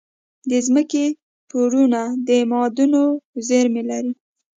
د ځمکې پوړونه د معادنو زیرمه لري.